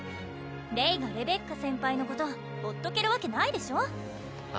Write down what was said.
レイがレベッカ先輩のことほっとけるわけないでしょあ